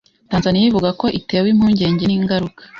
Tanzania ivuga ko itewe impungenge n’ingaruka